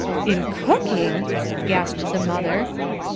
"In cooking!" gasped the mother.